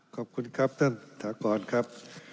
ขอบคุณครับท่านประธานครับ